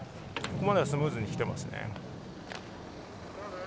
スムーズに来てますね。